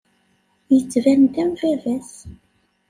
Yettban-d am baba-s.